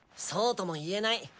そうとも言えない。